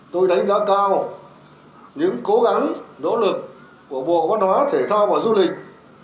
tôi đánh giá cao những cố gắng nỗ lực của bộ văn hóa thể thao và du lịch